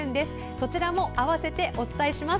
そちらも併せてお伝えします。